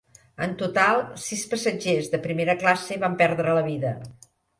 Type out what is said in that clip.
En total, sis passatgers de primera classe van perdre la vida.